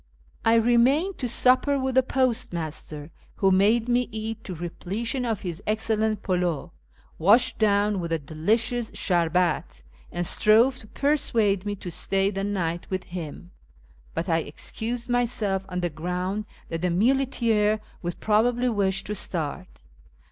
I remained to supper with the postmaster, who made me eat to repletion of his excellent pildiu, washed down with a delicious sherbet, and strove to persuade me to stay the night with him ; but I excused myself on the ground that the muleteer would probably wish to start.